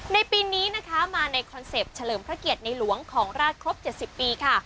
ในปีนี้นะคะมาในคอนเซ็ปต์เฉลิมพระเกียรติในหลวงของราชครบ๗๐ปีค่ะ